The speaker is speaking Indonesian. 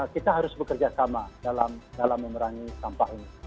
kita harus bekerja sama dalam memerangi sampah ini